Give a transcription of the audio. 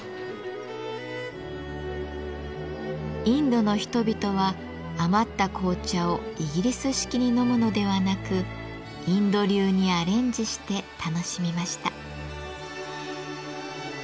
インドの人々は余った紅茶をイギリス式に飲むのではなくインド流にアレンジして楽しみました。